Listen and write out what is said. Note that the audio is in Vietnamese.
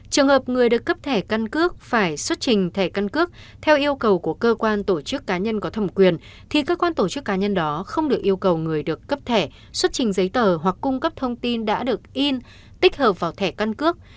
trường hợp người được cấp thẻ căn cước phải xuất trình thẻ căn cước theo yêu cầu của cơ quan tổ chức cá nhân có thẩm quyền thì cơ quan tổ chức cá nhân đó không được yêu cầu người được cấp thẻ xuất trình giấy tờ hoặc cung cấp thông tin đã được in tích hợp vào thẻ căn cước